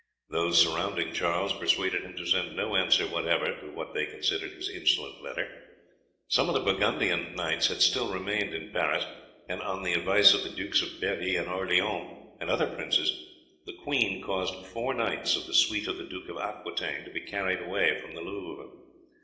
Those surrounding Charles persuaded him to send no answer whatever to what they considered his insolent letter. Some of the Burgundian knights had still remained in Paris, and on the advice of the Dukes of Berri and Orleans and other princes, the queen caused four knights of the suite of the Duke of Aquitaine to be carried away from the Louvre.